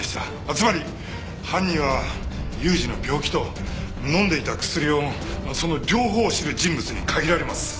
つまり犯人は裕二の病気と飲んでいた薬をその両方を知る人物に限られます。